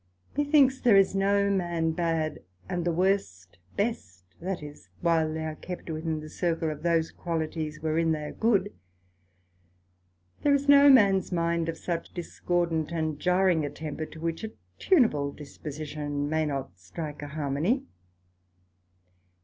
Methinks there is no man bad, and the worst, best; that is, while they are kept within the circle of those qualities, wherein they are good; there is no man's mind of such discordant and jarring a temper, to which a tunable disposition may not strike a harmony.